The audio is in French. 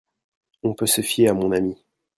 On peut se fier à mon ami.